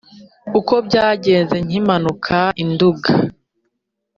uko byagenze nkimanuka i nduga